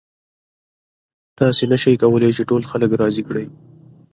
تاسې نشئ کولی چې ټول خلک راضي کړئ.